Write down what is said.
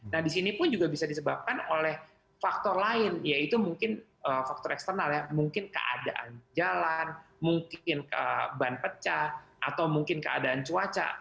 nah di sini pun juga bisa disebabkan oleh faktor lain yaitu mungkin faktor eksternal ya mungkin keadaan jalan mungkin ban pecah atau mungkin keadaan cuaca